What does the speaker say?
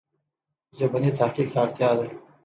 ژبني تحقیق ته اړتیا ده.